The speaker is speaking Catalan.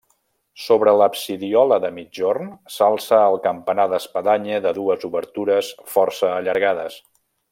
Sobre l'absidiola de migjorn s'alça el campanar d'espadanya de dues obertures força allargades.